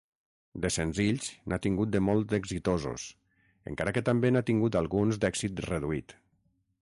De senzills, n'ha tingut de molt exitosos, encara que també n'ha tingut alguns d'èxit reduït.